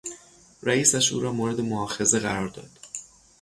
رئیسش او را مورد موآخذه قرار داد.